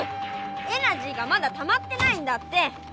エナジーがまだたまってないんだって！